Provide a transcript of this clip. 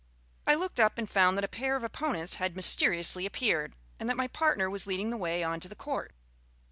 I looked up and found that a pair of opponents had mysteriously appeared, and that my partner was leading the way on to the court.